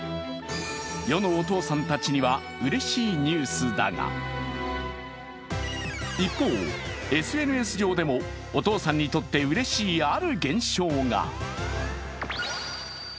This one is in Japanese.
世のお父さんたちにはうれしいニュースだが一方、ＳＮＳ上でもお父さんにとってうれしい、ある現象が。